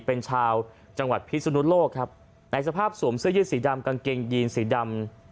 เป็นชาวจังหวัดพิศนุโลกครับในสภาพสวมเสื้อยืดสีดำกางเกงยีนสีดำ